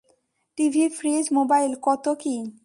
TV, fridge, mobile, কত কী!